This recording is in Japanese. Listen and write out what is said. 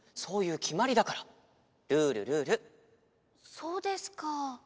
そうですか。